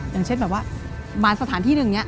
อย่างเช่นแบบว่ามาสถานที่นึงเนี่ย